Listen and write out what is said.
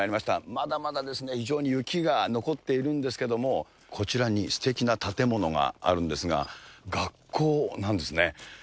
まだまだ非常に雪が残っているんですけれども、こちらにすてきな建物があるんですが、学校なんですね。